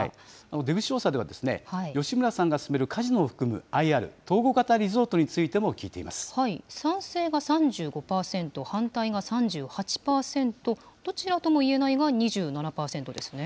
出口調査では、吉村さんが進めるカジノを含むＩＲ・統合型リゾートについても聞賛成が３５％、反対が３８％、どちらとも言えないが２７％ですね。